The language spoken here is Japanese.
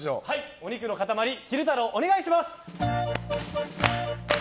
お肉の塊、昼太郎お願いします。